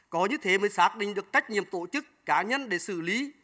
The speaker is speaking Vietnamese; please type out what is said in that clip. có như thế mới xác định được trách nhiệm tổ chức cá nhân để xử lý